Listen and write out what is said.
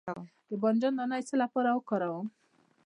د بانجان دانه د څه لپاره وکاروم؟